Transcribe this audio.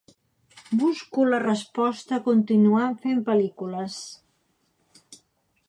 Busco la resposta continuant fent pel·lícules.